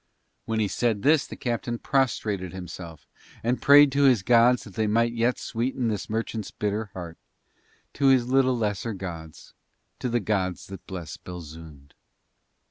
When he said this the captain prostrated himself and prayed to his gods that they might yet sweeten this merchant's bitter heart to his little lesser gods, to the gods that bless Belzoond.